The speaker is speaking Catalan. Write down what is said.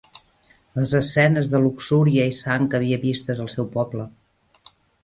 Les escenes de luxúria i sang que havia vistes al seu poble.